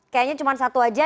kayaknya cuma satu aja